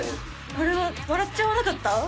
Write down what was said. これは笑っちゃわなかった？